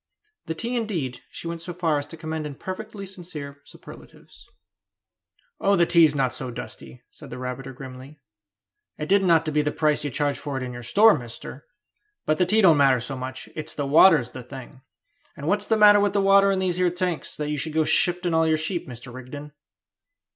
The tea, indeed, she went so far as to commend in perfectly sincere superlatives. "Oh, the tea's not so dusty," said the rabbiter grimly; "it didn't ought to be at the price you charge for it in your store, mister! But the tea don't matter so much; it's the water's the thing; and what's the matter with the water in these here tanks, that you should go shifting all your sheep, Mr. Rigden?"